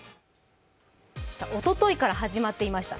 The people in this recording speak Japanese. おとといから始まっていました。